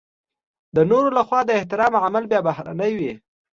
د نورو لخوا د احترام عامل بيا بهرنی وي.